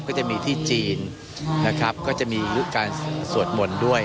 ก็จะมีที่จีนนะครับก็จะมีการสวดมนต์ด้วย